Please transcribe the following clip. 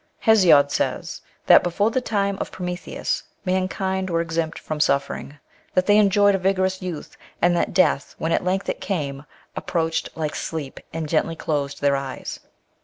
Hesiod says, that, before the time of Prometheus, mankind werfe exempt from suffering ; that they enjoyed a vigorous youth, and that death, when at length it came, approached like sleep, and gently closed their eyes.